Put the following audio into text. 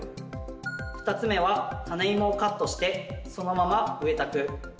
２つ目はタネイモをカットしてそのまま植えた区。